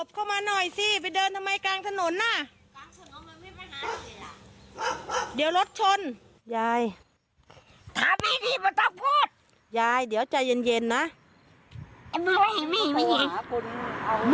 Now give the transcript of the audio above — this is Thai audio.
จำหนูได้ไหม